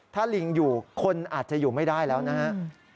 ถ้าลิงอยู่คนอาจจะอยู่ไม่ได้แล้วนะครับ